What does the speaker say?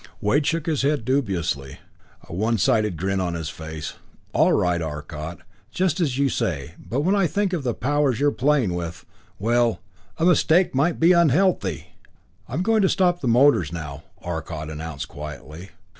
Wade shook his head dubiously, a one sided grin on his face. "All right, Arcot just as you say but when I think of the powers you're playing with well, a mistake might be unhealthy!" "I'm going to stop the motors now," Arcot announced quietly.